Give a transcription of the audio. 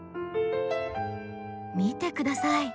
見てください。